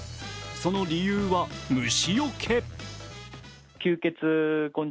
その理由は虫よけ。